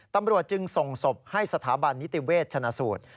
ตำรวจจึงส่งศพให้สถาบันนิติเวชชนะสูตร